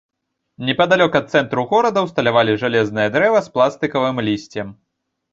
Непадалёк ад цэнтру горада ўсталявалі жалезнае дрэва з пластыкавым лісцем.